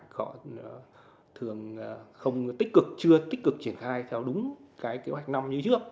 kế hoạch thường không tích cực chưa tích cực triển khai theo đúng kế hoạch năm